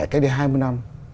cách đây hai mươi năm